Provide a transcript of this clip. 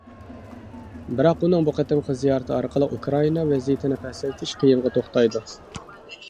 بىراق ئۇنىڭ بۇ قېتىمقى زىيارىتى ئارقىلىق ئۇكرائىنا ۋەزىيىتىنى پەسەيتىش قىيىنغا توختايدۇ.